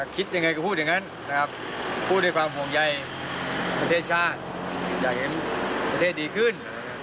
คิดยังไงก็พูดอย่างนั้นนะครับพูดด้วยความห่วงใยประเทศชาติอยากเห็นประเทศดีขึ้น